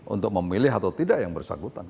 untuk memilih atau tidak yang bersangkutan